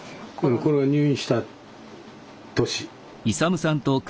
これは入院した年。